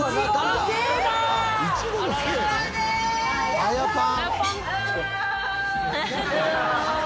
あやぱん？